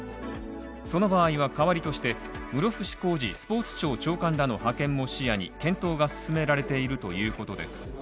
その場合は代わりとして室伏広治スポーツ庁長官らの派遣も視野に検討が進められているということです。